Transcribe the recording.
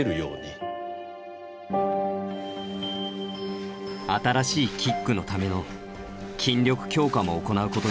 新しいキックのための筋力強化も行うことにした。